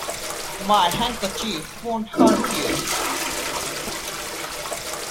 My handkerchief won't hurt you.